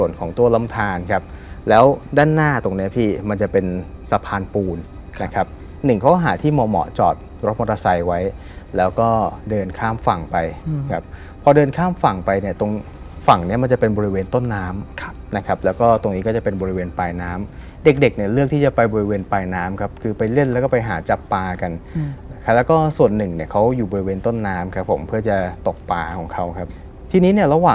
นะครับหนึ่งเขาหาที่เหมาะจอดรถมอเตอร์ไซค์ไว้แล้วก็เดินข้ามฝั่งไปครับพอเดินข้ามฝั่งไปเนี่ยตรงฝั่งเนี่ยมันจะเป็นบริเวณต้นน้ำครับนะครับแล้วก็ตรงนี้ก็จะเป็นบริเวณปลายน้ำเด็กเนี่ยเลือกที่จะไปบริเวณปลายน้ำครับคือไปเล่นแล้วก็ไปหาจับปากันแล้วก็ส่วนหนึ่งเนี่ยเขาอยู่บริเวณต้นน้ำครับผม